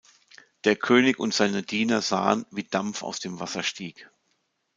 Der König und seine Diener sahen, wie Dampf aus dem Wasser stieg.